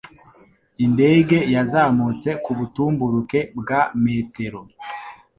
Indege yazamutse ku butumburuke bwa metero